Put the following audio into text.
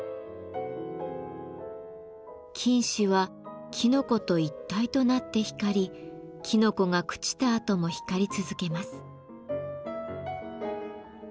菌糸はきのこと一体となって光りきのこが朽ちたあとも光り続けます。